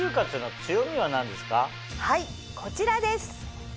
はいこちらです。